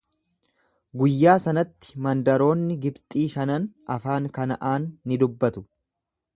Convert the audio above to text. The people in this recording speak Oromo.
Guyyaa sanatti mandaroonni Gibxii shanan afaan Kana'aan ni dubbatu.